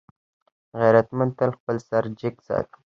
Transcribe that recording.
غیرتمند تل خپل سر جګ وساتي